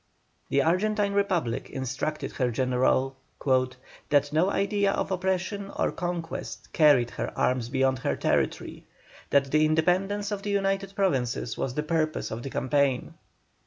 The Argentine Republic instructed her General: "That no idea of oppression or conquest carried her arms beyond her territory; that the independence of the United Provinces was the purpose of the campaign."